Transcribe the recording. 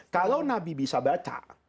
kalau nabi bisa baca